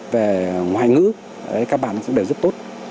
về ngoại ngữ các bạn cũng đều rất tốt